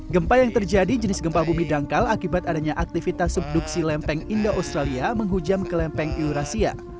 gempa yang terjadi jenis gempa bumi dangkal akibat adanya aktivitas subduksi lempeng indah australia menghujam ke lempeng eurasia